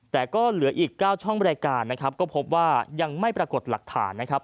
แต่ก็เหลืออีก๙ช่องบริการนะครับก็พบว่ายังไม่ปรากฏหลักฐานนะครับ